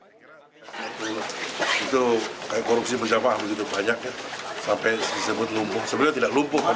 itu kayak korupsi berjabah begitu banyak